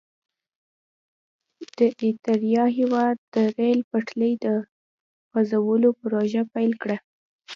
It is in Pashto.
د اریتریا هېواد د ریل پټلۍ د غزولو پروژه پیل کړه.